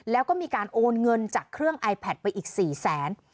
แล้วก็มีการโอนเงินจากเครื่องไอแพทไปอีก๔แสน